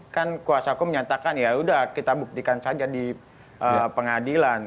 kan kuasa hukum menyatakan ya sudah kita buktikan saja di pengadilan